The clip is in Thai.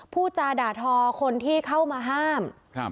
พูดจาด่าทอคนที่เข้ามาห้าม